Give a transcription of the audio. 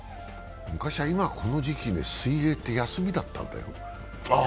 昔は今この時期、水泳って休みだったんだよ。